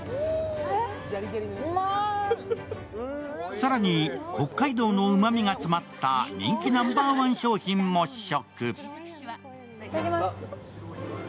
更に、北海道のうまみが詰まった人気ナンバーワン商品も試食。